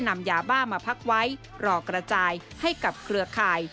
มาพักไว้รอกระจายให้กับเครือข่าย